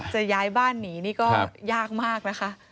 จะย้ายบ้านหนีนี่ก็ยากมากนะคะ